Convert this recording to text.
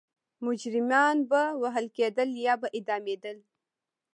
مجرمان به وهل کېدل یا به اعدامېدل.